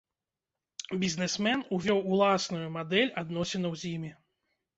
Бізнесмен увёў уласную мадэль адносінаў з імі.